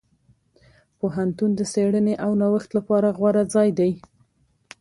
پوهنتون د څېړنې او نوښت لپاره غوره ځای دی.